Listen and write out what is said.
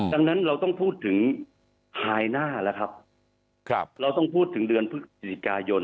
ดังนั้นเราต้องพูดถึงหายหน้าแล้วครับเราต้องพูดถึงเดือนพฤศจิกายน